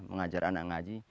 mengajar anak ngaji